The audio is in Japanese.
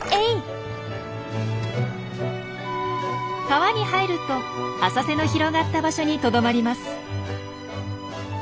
川に入ると浅瀬の広がった場所にとどまります。